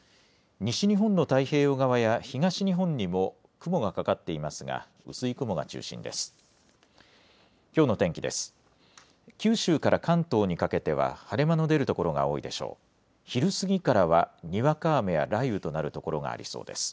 西日本の太平洋側や東日本にも雲がかかっていますが薄い雲が中心です。